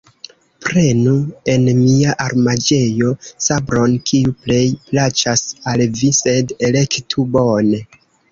Prenu en mia armaĵejo sabron, kiu plej plaĉas al vi, sed elektu bone.